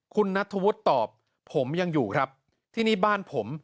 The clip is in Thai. คุณนัทธวุฒิตอบผมยังอยู่ครับที่นี่บ้านผม